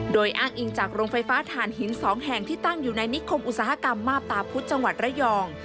โดยอ้างอิงจากโรงไฟฟ้าฐานหิน๒แห่งที่ตั้งอยู่ในนิคมอุตสาหกรรมมาบตาพุธจังหวัดระยอง